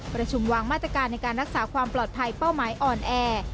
ประชุมวางมาตรการในการรักษาความปลอดภัยเป้าหมายอ่อนแอ